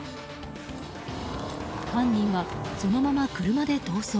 犯人はそのまま車で逃走。